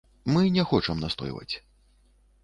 Мы не хочам настойваць.